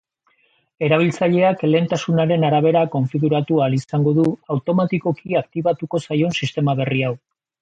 Erabiltzaileak lehentasunen arabera konfiguratu ahal izango du automatikoki aktibatuko zaion sistema berri hau.